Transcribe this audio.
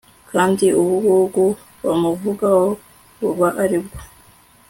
kandi ubugugu bamuvugaho buba ari bwo